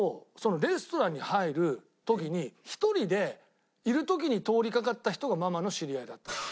レストランに入る時に１人でいる時に通りかかった人がママの知り合いだったの。